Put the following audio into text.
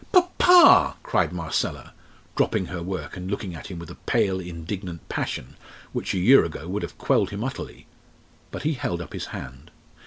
"Papa!" cried Marcella, dropping her work, and looking at him with a pale, indignant passion, which a year ago would have quelled him utterly. But he held up his hand.